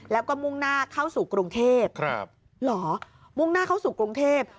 แล้วก็มุ่งหน้าเข้าสู่กรุงเทพหรอมุ่งหน้าเข้าสู่กรุงเทพ